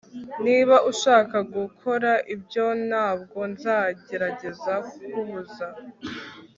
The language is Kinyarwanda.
niba ushaka gukora ibyo, ntabwo nzagerageza kukubuza